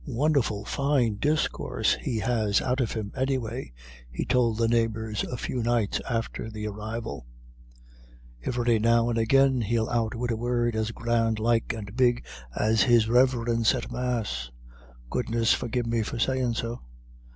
"Won'erful fine discoorse he has out of him, anyway," he told the neighbours a few nights after the arrival; "ivery now and agin he'll out wid a word as grand like and big as his Riverence at Mass goodness forgive me for sayin' so.